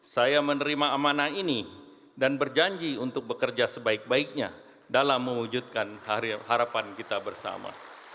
saya menerima amanah ini dan berjanji untuk bekerja sebaik baiknya dalam mewujudkan harapan kita bersama